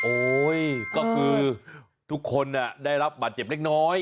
ก็คือทุกคนได้รับบาดเจ็บเล็กน้อย